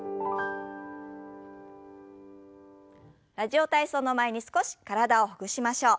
「ラジオ体操」の前に少し体をほぐしましょう。